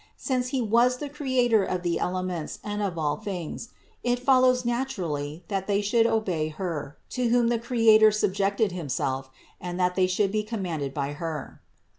Since He was the Creator of the elements and of all things, it follows naturally that they should obey Her, to whom the Creator subjected Himself, and that they should be commanded by Her.